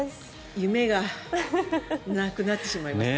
夢がなくなってしまいました。